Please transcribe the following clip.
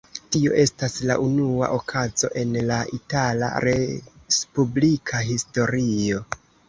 Tio estas la unua okazo en la itala respublika historio.